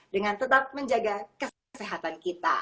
dengan tetap menjaga kesehatan kita